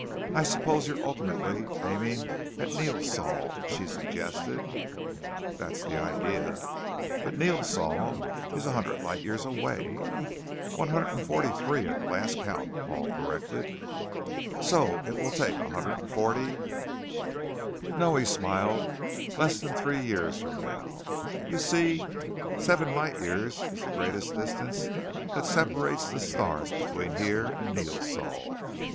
"I suppose you're ultimately aiming at Neosol," she suggested. "That's the idea." "But Neosol is a hundred light years away " "One hundred and forty three at the last count," Paul corrected. "So it will take a hundred and forty " "No," he smiled. "Less than three years from now. You see, seven light years is the greatest distance that separates the stars between here and Neosol.